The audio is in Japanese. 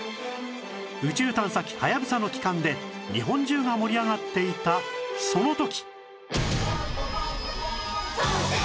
宇宙探査機はやぶさの帰還で日本中が盛り上がっていたその時！